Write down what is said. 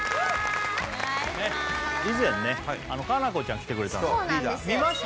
以前ね夏菜子ちゃん来てくれたんです見ました？